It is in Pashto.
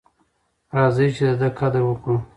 راځئ چې د ده قدر وکړو.